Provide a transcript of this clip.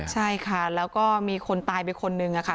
ใช่ค่ะแล้วก็มีคนตายไปคนนึงค่ะ